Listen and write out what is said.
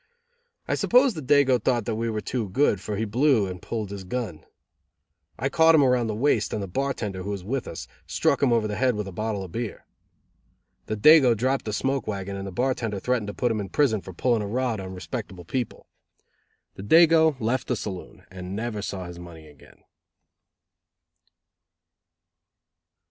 I suppose the dago thought that we were too good, for he blew and pulled his gun. I caught him around the waist, and the bartender, who was with us, struck him over the head with a bottle of beer. The dago dropped the smoke wagon and the bartender threatened to put him in prison for pulling a rod on respectable people. The dago left the saloon and never saw his money again.